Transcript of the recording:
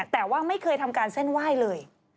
แต่ว่าไม่เคยทำการเส้นไหว้เลย